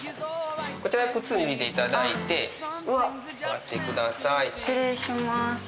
こちら靴脱いでいただいてあっうわっ上がってください失礼します